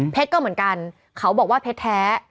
ก็เหมือนกันเขาบอกว่าเพชรแท้